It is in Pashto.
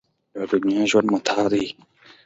د دنیا ژوند متاع ده.